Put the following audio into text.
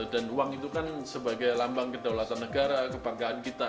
dan uang itu kan sebagai lambang kedaulatan negara kebanggaan kita